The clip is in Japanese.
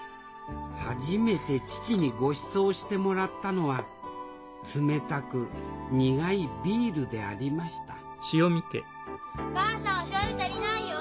初めて父にごちそうしてもらったのは冷たく苦いビールでありましたお母さんおしょうゆ足りないよ。